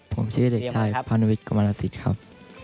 ผมชื่อเด็กชายพาณวิทย์กรมรสิทธิ์ครับ